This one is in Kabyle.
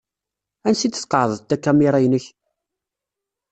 Ansi d-tqeεεdeḍ takamira-inek?